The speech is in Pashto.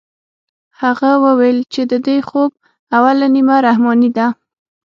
هغه وويل چې د دې خوب اوله نيمه رحماني ده.